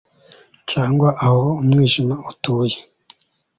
cyangwa aho umwijima utuye